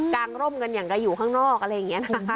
งร่มกันอย่างเราอยู่ข้างนอกอะไรอย่างนี้นะคะ